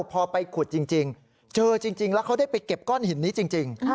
พอไปขุดจริงเจอจริงแล้วเขาได้ไปเก็บก้อนหินนี้จริง